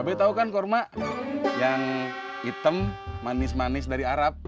tapi tau kan kurma yang hitam manis manis dari arab